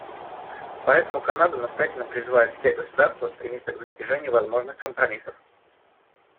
Поэтому Канада настоятельно призывает все государства стремиться к достижению возможных компромиссов.